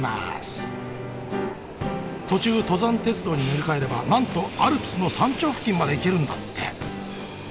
途中登山鉄道に乗り換えればなんとアルプスの山頂付近まで行けるんだって。